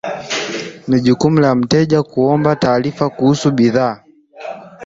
Ni jukumu la mteja kuomba taarifa kuhusu bidhaa